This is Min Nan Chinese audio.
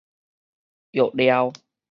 藥料